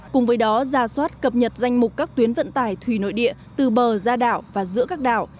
cùng với đó ra soát cập nhật danh mục các tuyến vận tải thủy nội địa từ bờ ra đảo và giữa các đảo